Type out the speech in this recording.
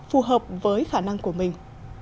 phù hợp với khả năng của mình